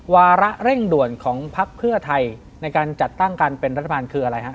วาระเร่งด่วนของพักเพื่อไทยในการจัดตั้งการเป็นรัฐบาลคืออะไรฮะ